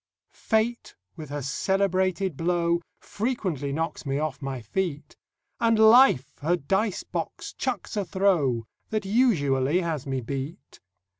Fate with her celebrated blow Frequently knocks me off my feet; And Life her dice box chucks a throw That usually has me beat.